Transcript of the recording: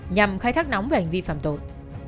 nhằm khai thác nóng về hành vi phạm tội